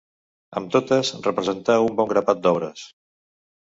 Amb totes representà un bon grapat d'obres.